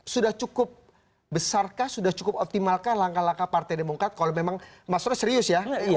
sudah cukup besarkah sudah cukup optimalkah langkah langkah partai demokrat kalau memang mas roy serius ya